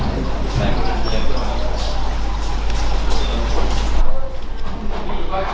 อ่าใช่ครับเปรียบก่อน